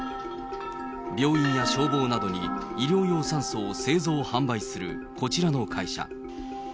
病院や消防などに医療用酸素を製造・販売する、こちらの会社。